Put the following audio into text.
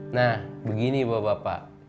nah begini bapak bapak